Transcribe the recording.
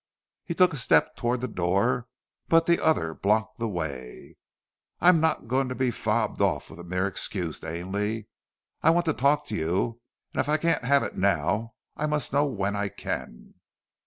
He took a step towards the door, but the other blocked the way. "I'm not going to be fobbed off with a mere excuse, Ainley. I want to talk with you; and if I can't have it now, I must know when I can."